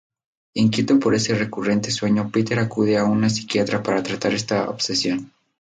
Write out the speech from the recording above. Inquieto por ese recurrente sueño Peter acude a un psiquiatra para tratar esta obsesión.